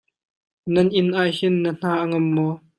Nan inn ah hin na hna a ngam maw?